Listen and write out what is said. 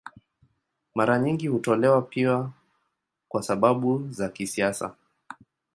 Mara nyingi hutolewa pia kwa sababu za kisiasa.